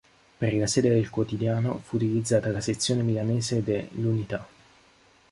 Per la sede del quotidiano fu utilizzata la sezione milanese de "l'Unità".